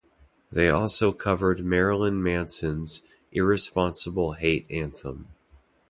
They also covered Marilyn Manson's "Irresponsible Hate Anthem".